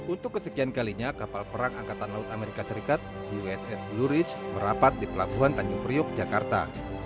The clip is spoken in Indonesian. untuk kesekian kalinya kapal perang angkatan laut amerika serikat uss blue rich merapat di pelabuhan tanjung priok jakarta